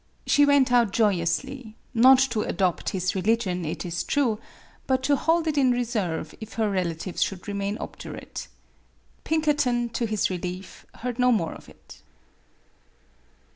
She went out joyously; not to adopt his religion, it is true, but to hold it in reserve if her relatives should remain obdurate. Pin kerton, to his relief, heard no more of it.